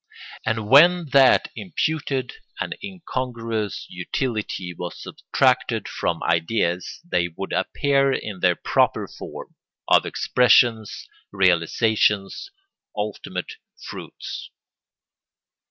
And when that imputed and incongruous utility was subtracted from ideas they would appear in their proper form of expressions, realisations, ultimate fruits.